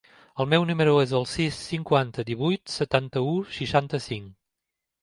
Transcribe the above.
El meu número es el sis, cinquanta, divuit, setanta-u, seixanta-cinc.